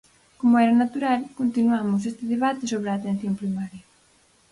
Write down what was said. Como era natural, continuamos este debate sobre a atención primaria.